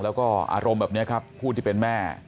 แล้วก็อารมณ์แบบนี้ครับผู้ที่เป็นแม่